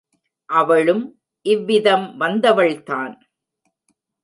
அவளும் இவ்விதம் வந்தவள் தான்.